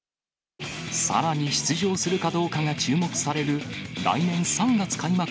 さらに出場するかどうかが注目される、来年３月開幕